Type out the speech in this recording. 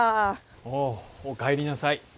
おおお帰りなさい。